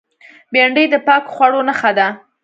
بېنډۍ د پاکو خوړو نخښه ده